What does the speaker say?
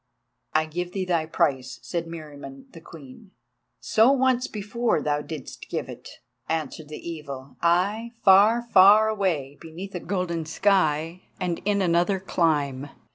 "I give thee thy price," said Meriamun the Queen. "So once before thou didst give it," answered the Evil; "ay, far, far away, beneath a golden sky and in another clime.